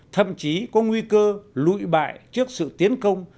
thậm chí có nguy cơ lụi bại trước sự tiến công